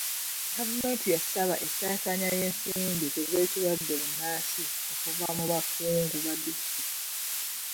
Gavumenti yasaba ensaasaanya y'ensimbi ku z'ekirwadde bbunansi okuva mu bakungu ba disitulikiti.